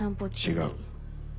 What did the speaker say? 違う。